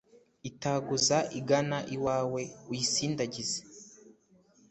itaguza igana iwawe, uyisindagize